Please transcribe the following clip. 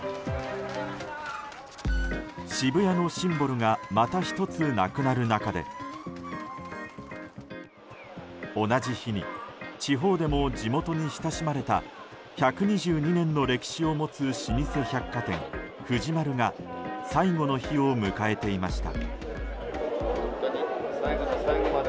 渋谷のシンボルがまた１つ、なくなる中で同じ日に、地方でも地元に親しまれた１２２年の歴史を持つ老舗百貨店・藤丸が最後の日を迎えていました。